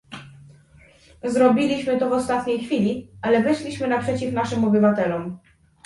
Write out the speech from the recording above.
Zrobiliśmy to w ostatniej chwili, ale wyszliśmy naprzeciw naszym obywatelom